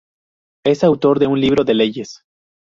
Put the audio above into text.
Es autor de un libro de leyes.